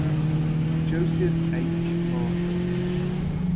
Joseph H. Marshall.